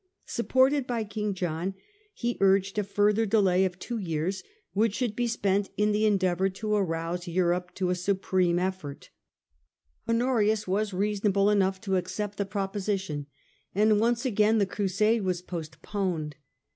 Sup ported by King John, he urged a further delay of two years, which should be spent in the endeavour to arouse KING AND EMPEROR 69 Europe to a supreme effort. Honorius was reasonable enough to accept the proposition and once again the Crusade was postponed.